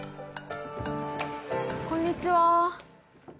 こんにちは。